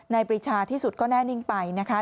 ปริชาที่สุดก็แน่นิ่งไปนะคะ